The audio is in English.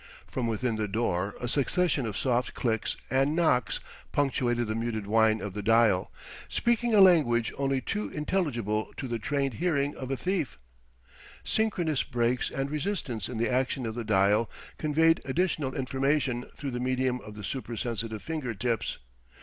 From within the door a succession of soft clicks and knocks punctuated the muted whine of the dial, speaking a language only too intelligible to the trained hearing of a thief; synchronous breaks and resistance in the action of the dial conveyed additional information through the medium of supersensitive finger tips.